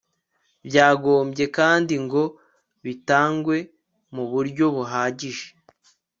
byagombye kandi ngo bitangwe mu buryo buhagije